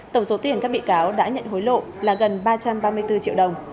tổng số tiền các bị cáo đã nhận hối lộ là gần ba trăm ba mươi bốn triệu đồng